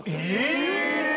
え！